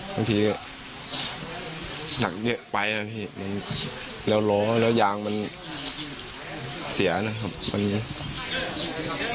บางทีก็หนักเยอะไปนะพี่มันแล้วล้อแล้วยางมันเสียนะครับมัน